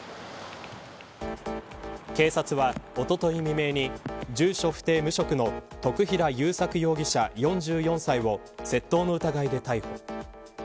警察は、おととい未明に住所不定無職の徳平祐索容疑者、４４歳を窃盗の疑いで逮捕。